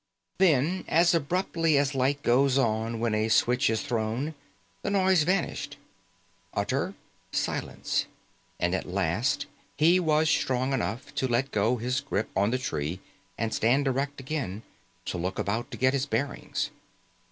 Then, as abruptly as light goes on when a switch is thrown, the noise vanished. Utter silence, and at last he was strong enough to let go his grip on the tree and stand erect again, to look about to get his bearings.